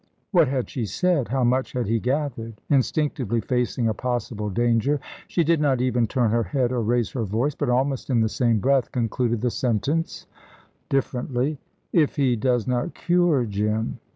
What had she said? How much had he gathered? Instinctively facing a possible danger, she did not even turn her head or raise her voice, but, almost in the same breath, concluded the sentence differently: " if he does not cure Jim."